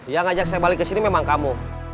yang ngajak saya balik kesini memang kamu